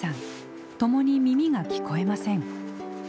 ともに耳が聞こえません。